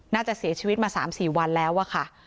น่าจะเสียชีวิตมา๓๔วันแล้วอะค่ะ